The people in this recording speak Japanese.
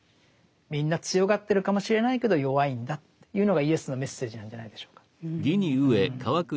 みんな強がってるかもしれないけど弱いんだというのがイエスのメッセージなんじゃないでしょうか。